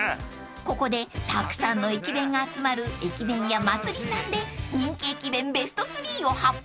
［ここでたくさんの駅弁が集まる駅弁屋祭さんで人気駅弁ベスト３を発表］